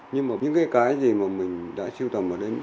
nhưng mà những cái gì mà mình đã siêu tầm vào đấy